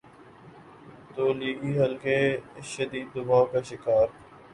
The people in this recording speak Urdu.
تولیگی حلقے شدید دباؤ کا شکارہیں۔